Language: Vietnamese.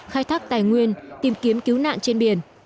khai thác tài nguyên tìm kiếm cứu nạn trên biển